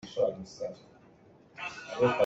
A cal a ngauh in a fim deuh mi a lo.